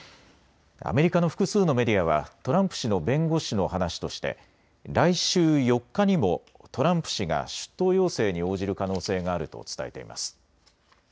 アメリカの複数のメディアはトランプ氏の弁護士の話として来週４日にもトランプ氏が出頭要請に応じる可能性があると伝えています。